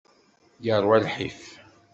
Yeṛwa lḥif.